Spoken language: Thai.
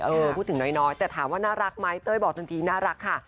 พูดถึงน้อยแต่ถามว่าน่ารักไหมเต้ยบอกทันทีน่ารักค่ะ